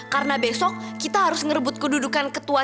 karena besok kita harus ngerebut kedudukan ketua